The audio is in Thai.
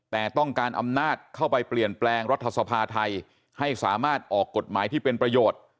แต่ต้องการอำนาจเข้าไปเปลี่ยนแปลงรัฐสภาไทยให้สามารถออกกฎหมายที่เป็นประโยชน์